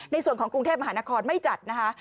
ในส่วนของกรุงเทพมหานครไม่จัดนะคะ